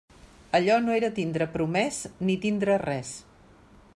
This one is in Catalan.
Allò no era tindre promès ni tindre res.